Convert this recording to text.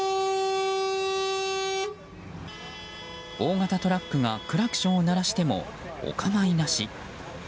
大型トラックがクラクションを鳴らしてもお構いなし。